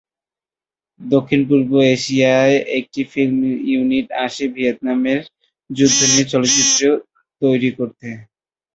দক্ষিণ-পূর্ব এশিয়ায় একটি ফিল্ম ইউনিট আসে ভিয়েতনামের যুদ্ধ নিয়ে চলচ্চিত্র তৈরি করতে।